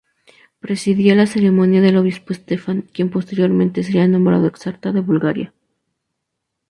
Presidía la ceremonia el obispo Stefan, quien posteriormente sería nombrado exarca de Bulgaria.